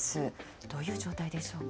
どういう状態でしょうか。